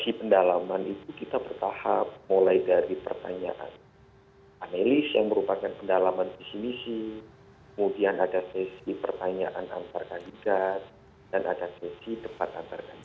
dari sisi pendalaman itu kita bertahap mulai dari pertanyaan analis yang merupakan pendalaman visi misi kemudian ada sesi pertanyaan antar kandidat dan ada sesi debat antar kandidat